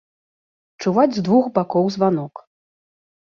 Чуваць з двух бакоў званок.